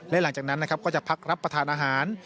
และหลังจากนั้นก็จะพักรับผ่านอาหาร